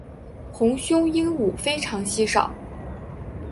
红胸鹦鹉非常稀少。